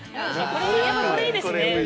これいいですね！